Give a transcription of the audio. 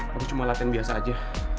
aku cuma latihan biasa aja